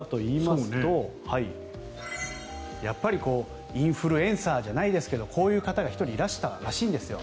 なぜ路上でかといいますとやっぱりインフルエンサーじゃないですけどこういう方が１人いらしたらしいんですよ。